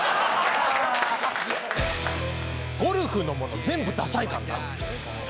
ゴルフのもの全部ダサいからな！